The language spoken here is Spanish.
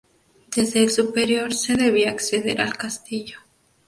Desde el superior se debía acceder al castillo.